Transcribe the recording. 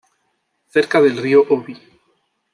Cerca del río Obi.